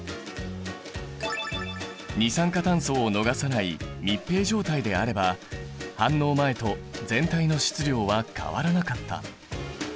二酸化炭素を逃さない密閉状態であれば反応前と全体の質量は変わらなかった。